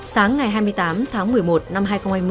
sáng ngày hai mươi tám tháng một mươi một năm hai nghìn hai mươi